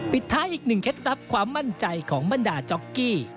ปิดท้ายอีกหนึ่งเคล็ดลับความมั่นใจของบรรดาจ๊อกกี้